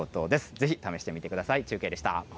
ぜひ、試してみてください。